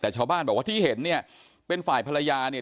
แต่ชาวบ้านบอกว่าที่เห็นเนี่ยเป็นฝ่ายภรรยาเนี่ย